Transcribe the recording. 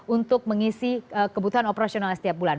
untuk mengisi kebutuhan operasional setiap bulan